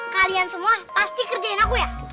kalian semua pasti kerjain aku ya